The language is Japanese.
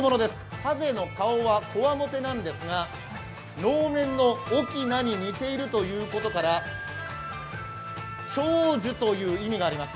はぜの顔はこわもてなんですが能面のおきなに似ているということから、長寿という意味があります